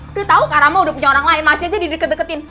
udah tau kak rama udah punya orang lain masih aja di deket deketin